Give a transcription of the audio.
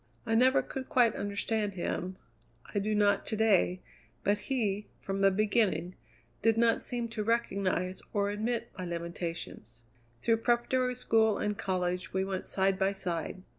"I never could quite understand him; I do not to day, but he, from the beginning, did not seem to recognize or admit my limitations. Through preparatory school and college we went side by side.